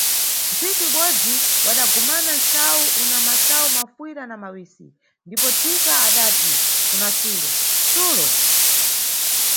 Nsiku ibodzi, wadagumana msayu una masayu mafuyira na mawisi, ndipo ndipo thika adati kuna sulo: Sulo!